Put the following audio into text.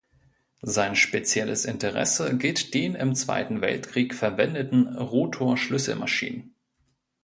Sein spezielles Interesse gilt den im Zweiten Weltkrieg verwendeten Rotor-Schlüsselmaschinen.